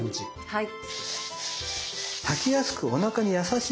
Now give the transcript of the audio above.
はい。